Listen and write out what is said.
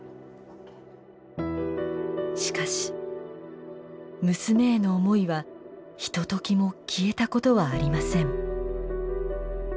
しかし娘への思いはひとときも消えたことはありません。